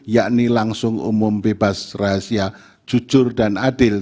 yakni langsung umum bebas rahasia jujur dan adil